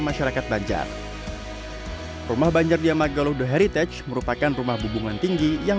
masyarakat banjar rumah banjar di amagalude heritage merupakan rumah hubungan tinggi yang